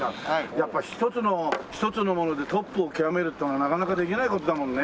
やっぱ一つの一つのものでトップを極めるっていうのはなかなかできない事だもんね。